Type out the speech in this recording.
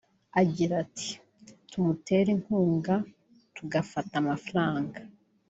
Agira ati “Tumutera inkunga tugafata amafaranga